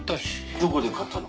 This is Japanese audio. どこで買ったの？